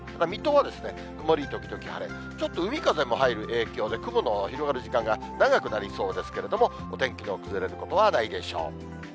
水戸は曇り時々晴れ、ちょっと海風も入る影響で雲の広がる時間が長くなりそうですけれども、お天気の崩れることはないでしょう。